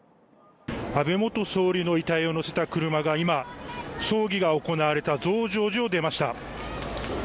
安倍元総理の遺体を乗せた車が今、葬儀が行われた増上寺を出ました。